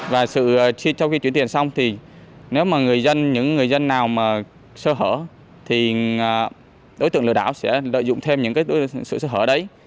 và trong khi chuyển tiền xong thì nếu mà những người dân nào sơ hở thì đối tượng lừa đảo sẽ lợi dụng thêm những sự sơ hở đấy